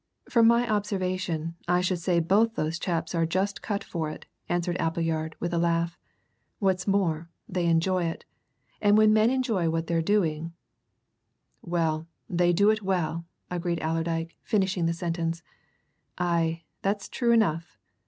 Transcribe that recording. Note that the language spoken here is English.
"From my observation, I should say both those chaps are just cut for it," answered Appleyard, with a laugh. "What's more, they enjoy it. And when men enjoy what they're doing " "Why, they do it well," agreed Allerdyke, finishing the sentence. "Aye, that's true enough.